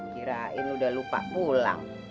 kirain udah lupa pulang